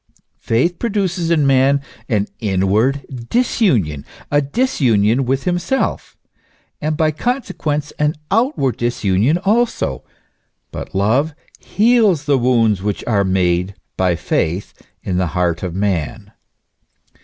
Faith produces in man an inward disunion, a disunion with himself, and by consequence an outward disunion also ; but love heals the wounds which are made by faith in the heart of man.